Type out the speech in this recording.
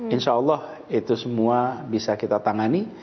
insya allah itu semua bisa kita tangani